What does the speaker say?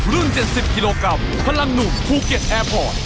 รุ่น๗๐กิโลกรัมพลังหนุ่มภูเก็ตแอร์พอร์ต